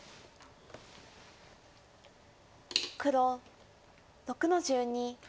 黒６の十二取り。